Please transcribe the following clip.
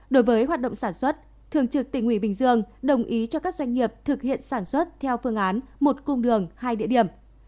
đối với hoạt động sản xuất thường trực tỉnh ủy bình dương đồng ý cho các doanh nghiệp thực hiện sản xuất theo phương án một cung đường hai địa điểm